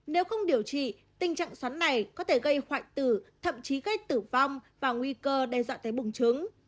nếu không điều trị tình trạng xoắn này có thể gây hoại tử thậm chí gây tử vong và nguy cơ đe dọa tới bùng trứng